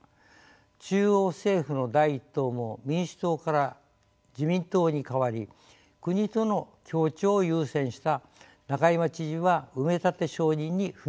中央政府の第一党も民主党から自民党に変わり国との協調を優先した仲井眞知事は埋め立て承認に踏み切りました。